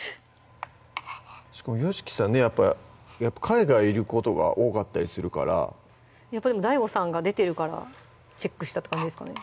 しかもＹＯＳＨＩＫＩさんねやっぱ海外いることが多かったりするからやっぱりＤＡＩＧＯさんが出てるからチェックしたって感じですかね